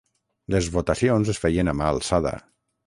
Les votacions es feien a mà alçada.